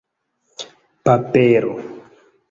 papero